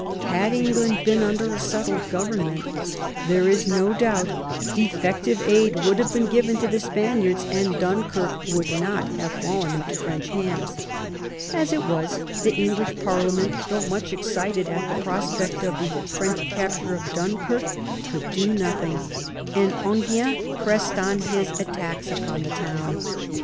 Had England been under a settled government, there is no doubt effective aid would have been given to the Spaniards, and Dunkirk would not have fallen into French hands. As it was, the English parliament, though much excited at the prospect of the French capture of Dunkirk, could do nothing, and Enghien pressed on his attacks upon the town.